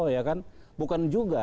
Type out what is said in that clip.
ya kan bukan juga